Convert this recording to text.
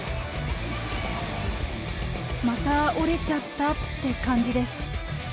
また折れちゃったって感じです。